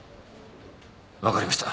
分かりました